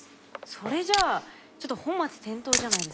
それじゃあちょっと本末転倒じゃないですか。